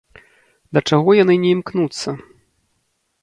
Да чаго яны не імкнуцца?